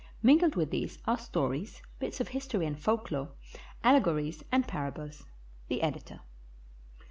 Mingled with these are stories, bits of history and folklore, allegories and parables. The Editor.